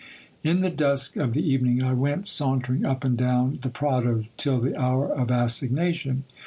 In the dusk of the even ing, I went sauntering up and down the Prado till the hour of assignation.